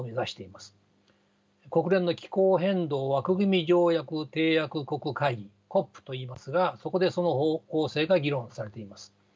国連の気候変動枠組条約締約国会議ＣＯＰといいますがそこでその方向性が議論されています。